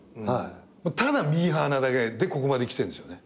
ただミーハーなだけでここまで来てんですよね。